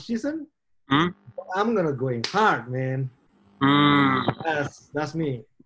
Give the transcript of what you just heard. karena saya tahu saya tidak bisa main selama musim